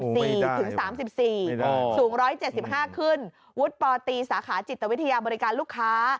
๒๔ถึง๓๔สูง๑๗๕ขึ้นวุฒิปรตรีสาขาจิตวิทยาบริการลูกค้า